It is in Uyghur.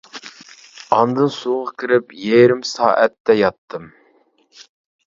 ئاندىن سۇغا كىرىپ يېرىم سائەتتە ياتتىم.